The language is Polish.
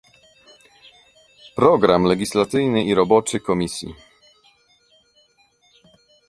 Program legislacyjny i roboczy Komisji